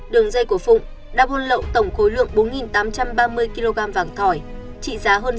đường dây của phụng đã buôn lậu tổng khối lượng bốn tám trăm ba mươi kg vàng thỏi